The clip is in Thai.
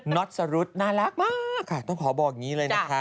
็อตสรุธน่ารักมากค่ะต้องขอบอกอย่างนี้เลยนะคะ